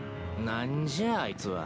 何じゃあいつは。